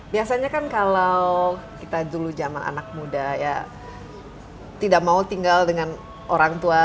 biasanya kan kalau kita dulu zaman anak muda ya tidak mau tinggal dengan orang tua